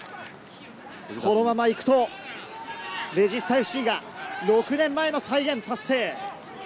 このまま行くとレジスタＦＣが６年前の再現達成。